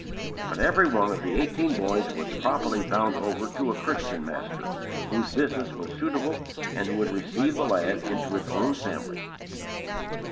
But every one of the eighteen boys was properly bound over to a Christian master, whose business was suitable and who would receive the lad into his own family.